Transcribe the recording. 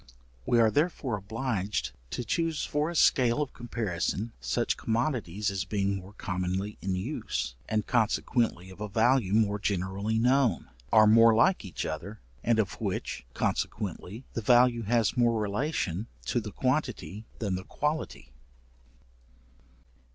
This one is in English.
We are, therefore, obliged to choose for a scale of comparison, such commodities as being more commonly in use, and consequently of a value more generally known, are more like each other, and of which consequently the value has more relation to the quantity than the quality.